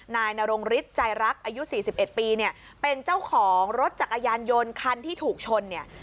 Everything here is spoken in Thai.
นายนรงฤทธิ์ใจรักอายุ๔๑ปีเนี่ยเป็นเจ้าของรถจักรยานยนต์คันที่ถูกชนเนี่ย